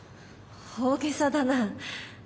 大げさだな。